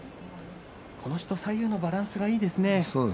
この人は左右のバランスがいいですね。